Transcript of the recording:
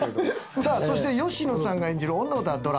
さあそして吉野さんが演じる小野田虎魂。